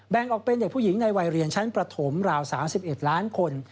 แบ่งออกเป็นเด็กผู้หญิงในวัยเรียนชั้นประถมราว๓๑ล้านคน